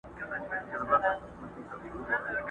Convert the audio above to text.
څوک چي لاس در پوري بند کي، مه ئې غوڅوه.